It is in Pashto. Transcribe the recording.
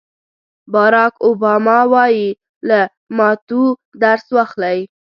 باراک اوباما وایي له ماتو درس واخلئ.